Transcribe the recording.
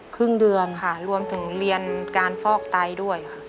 ครึ่งเดือนค่ะรวมถึงเรียนการฟอกไตด้วยค่ะ